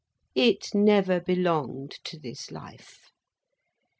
It never belonged to this life.